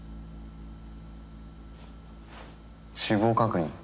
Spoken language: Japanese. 死亡確認。